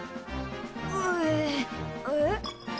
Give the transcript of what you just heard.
ううえっ？